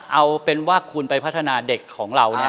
เอาเป็นว่าคุณไปพัฒนาเด็กของเราเนี่ย